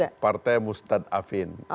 kalau kita ini partai mustad afin